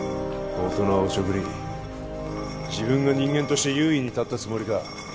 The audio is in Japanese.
大人をおちょくり自分が人間として優位に立ったつもりか？